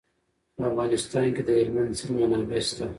په افغانستان کې د هلمند سیند منابع شته.